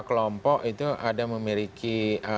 kelompok itu ada memiliki